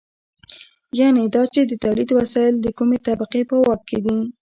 یانې دا چې د تولید وسایل د کومې طبقې په واک کې دي.